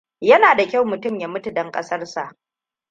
Yana da kyau mutum ya mutu don kasarsa.